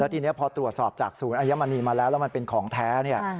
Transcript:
ทีนี้พอตรวจสอบจากศูนย์อัยมณีมาแล้วแล้วมันเป็นของแท้เนี่ย